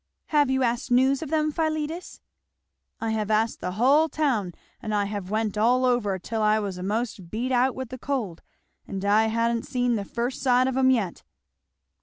"Have you asked news of them, Philetus?" "I have asked the hull town, and I have went all over, 'till I was a'most beat out with the cold, and I ha'n't seen the first sight of 'em yet!"